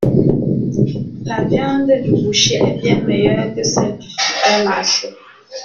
La viande du boucher est bien meilleure que celle du supermarché.